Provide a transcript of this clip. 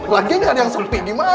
lagian gak ada yang sepi di mana